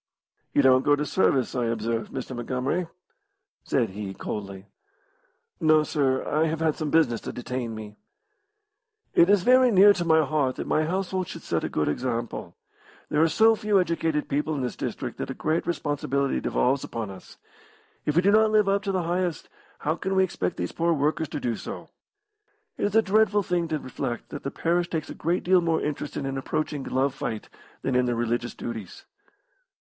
"You don't go to service, I observe, Mr. Montgomery" said he, coldly. "No, sir; I have had some business to detain me." "It is very near to my heart that my household should set a good example. There are so few educated people in this district that a great responsibility devolves upon us. If we do not live up to the highest, how can we expect these poor workers to do so? It is a dreadful thing to reflect that the parish takes a great deal more interest in an approaching glove fight than in their religious duties."